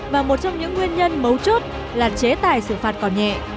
và một trong những nguyên nhân mấu chốt là chế tài xử phạt còn nhẹ